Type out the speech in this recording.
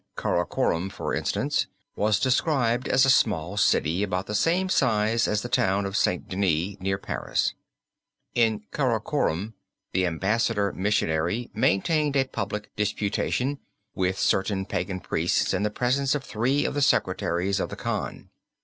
Karakorum, for instance, was described as a small city about the same size as the town of St. Denis near Paris. In Karakorum the ambassador missionary maintained a public disputation with certain pagan priests in the presence of three of the secretaries of the Khan.